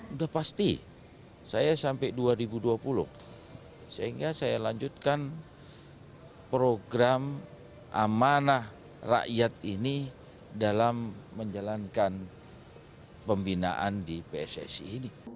udah pasti saya sampai dua ribu dua puluh sehingga saya lanjutkan program amanah rakyat ini dalam menjalankan pembinaan di pssi ini